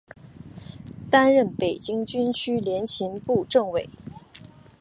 担任北京军区联勤部政委。